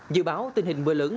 dự báo tình hình bữa lớn